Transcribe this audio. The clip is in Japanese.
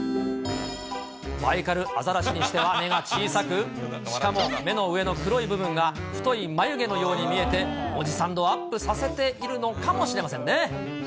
バイカルアザラシにしては目が小さく、しかも目の上の黒い部分が太い眉毛のように見えて、おじさん度をアップさせているのかもしれませんね。